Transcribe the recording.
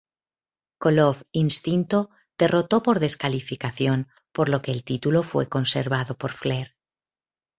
Koloff instinto derrotó por descalificación por lo que el título fue conservado por Flair.